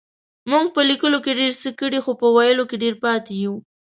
مونږ په لکيلو کې ډير څه کړي خو په ويلو کې ډير پاتې يو.